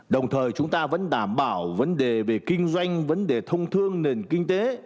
đồng thời chúng ta vẫn đảm bảo vấn đề về kinh doanh vấn đề thông thương nền kinh tế